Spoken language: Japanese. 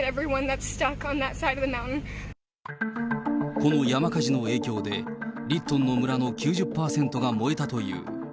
この山家事の影響で、リットンの村の９０％が燃えたという。